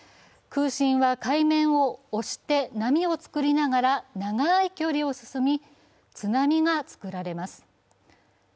空振は海面を押して波を作りながら長い距離を進み、津波が作られます。